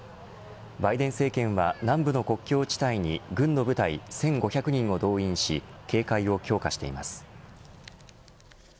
バイデン政権は南部の国境地帯に軍の部隊１５００人を動員し警戒を強化しています。